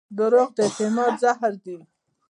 دروغ د اعتماد زهر دي.